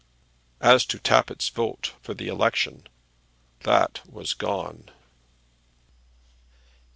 As to Mr. Tappitt's vote for the election; that was gone!